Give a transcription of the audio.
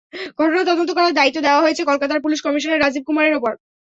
ঘটনা তদন্ত করার দায়িত্ব দেওয়া হয়েছে কলকাতার পুলিশ কমিশনার রাজীব কুমারের ওপর।